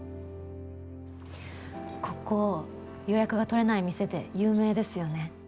ここ予約が取れない店で有名ですよね。